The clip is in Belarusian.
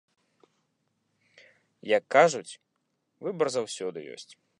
Як кажуць, выбар заўсёды ёсць.